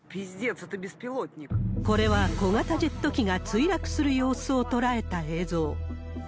これは、小型ジェット機が墜落する様子を捉えた映像。